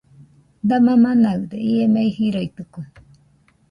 !Dama manaɨde¡ ie mei jiroitɨke